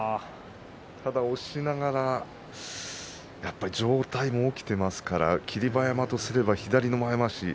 ただ押しながら、やっぱり上体が起きてますから霧馬山とすれば左の前まわしが